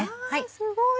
すごい！